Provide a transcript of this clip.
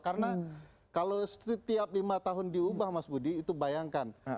karena kalau setiap lima tahun diubah mas budi itu bayangkan